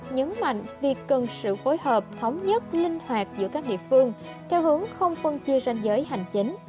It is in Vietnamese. nhấn mạnh việc cần sự phối hợp thống nhất linh hoạt giữa các địa phương theo hướng không phân chia ranh giới hành chính